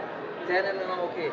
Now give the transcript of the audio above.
cnn memang oke